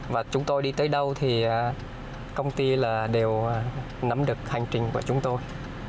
và chúng tôi đi tới đâu thì công ty là đều nắm được hành trình của chúng tôi